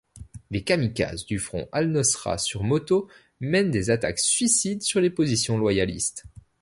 Des kamikazes du Front al-Nosra sur motos mènent des attaques-suicides sur les positions loyalistes.